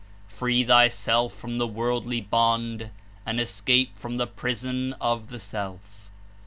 Free thyself from the worldly bond, and escape from the prison of the self."